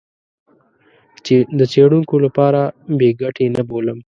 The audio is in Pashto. د څېړونکو لپاره بې ګټې نه بولم.